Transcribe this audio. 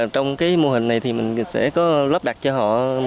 trong cái mô hình này thì mình sẽ có lắp đặt cho họ